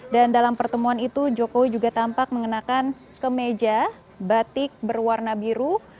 dan dalam pertemuan itu jokowi juga tampak mengenakan kemeja batik berwarna biru